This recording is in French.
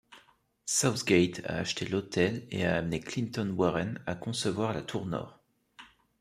Southgate a acheté l'hôtel et a amené Clinton Warren à concevoir la tour nord.